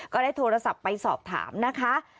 ก็ได้โทรศัพท์ไปสอบถามนะคะ